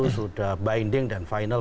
sudah binding dan final